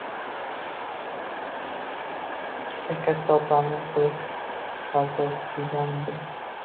Qishda katta opamning qizil paltosini kiygandim.